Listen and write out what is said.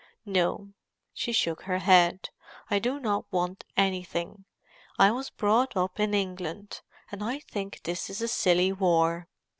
"No." She shook her head. "I do not want anything. I was brought up in England, and I think this is a silly war.